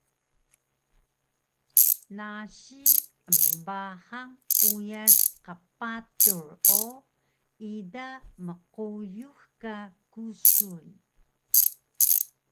nasi embahang uyas qpatur o ida mquyux ka kusun